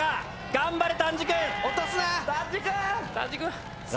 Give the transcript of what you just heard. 頑張れ。